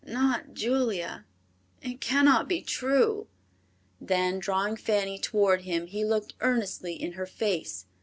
"Not Julia! It cannot be true." Then drawing Fanny toward him he looked earnestly in her face.